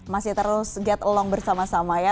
masih terus get along bersama sama ya